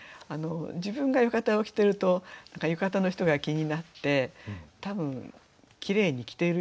自分が浴衣を着てると浴衣の人が気になって多分きれいに着ている人だったんでしょうね。